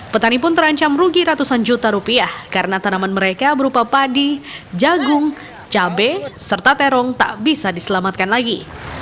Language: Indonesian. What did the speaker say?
petani pun terancam rugi ratusan juta rupiah karena tanaman mereka berupa padi jagung cabai serta terong tak bisa diselamatkan lagi